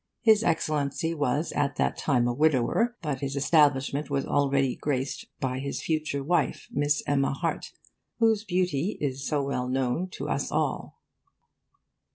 His Excellency was at that time a widower, but his establishment was already graced by his future wife, Miss Emma Harte, whose beauty is so well known to us all.